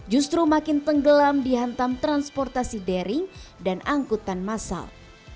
justru makin tenggelam dihantam transportasi daring dan angkutan masal